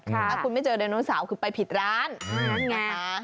ถ้าคุณไม่เจอไดโนเสาร์คือไปผิดร้านไงคะ